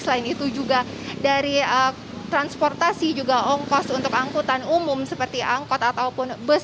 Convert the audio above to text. selain itu juga dari transportasi juga ongkos untuk angkutan umum seperti angkot ataupun bus